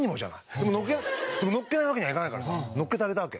でも乗っけないわけにはいかないからさ乗っけてあげたわけ。